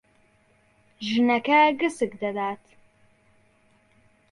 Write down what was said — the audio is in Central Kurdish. ژنەکە گسک دەدات.